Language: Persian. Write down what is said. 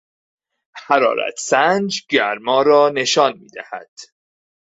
حرارتسنج گرما را نشان میدهد.